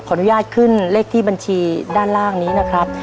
อนุญาตขึ้นเลขที่บัญชีด้านล่างนี้นะครับ